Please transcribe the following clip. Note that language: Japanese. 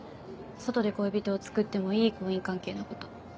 外で恋人をつくってもいい婚姻関係のこと。